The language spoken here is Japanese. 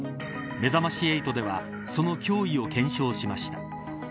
めざまし８ではその脅威を検証しました。